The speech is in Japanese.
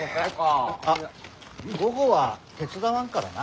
あっ午後は手伝わんからな。